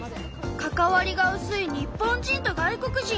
関わりがうすい日本人と外国人。